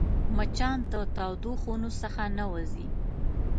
مچان د تودو خونو څخه نه وځي